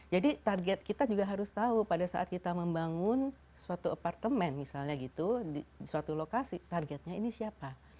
jadi target kita juga harus tahu pada saat kita membangun suatu apartemen misalnya gitu di suatu lokasi targetnya ini siapa